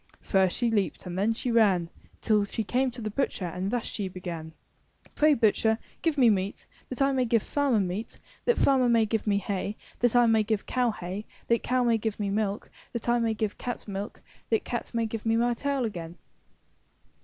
^^ First she leaped and then she ran j^;^ ^Till she came to the butcher and thus she began; 78 IN THE NURSERY *Tray, Butcher, give me meat, that I may give farmer meat, that farmer may give me hay, that I may give cow hay, that cow may give me milk, that I may give cat milk, that cat may give me my tail again.''